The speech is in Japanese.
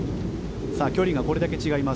距離がこれだけ違います。